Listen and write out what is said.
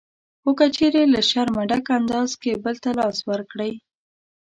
خو که چېرې له شرمه ډک انداز کې بل ته لاس ورکړئ